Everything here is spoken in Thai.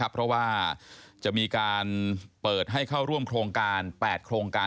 เพราะว่าจะมีการเปิดให้เข้าร่วมโครงการ๘โครงการ